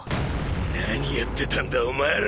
何やってたんだお前ら！